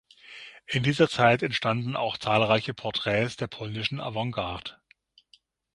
In dieser Zeit entstanden auch zahlreiche Porträts der polnischen Avantgarde.